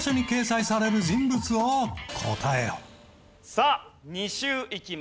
さあ２周いきます。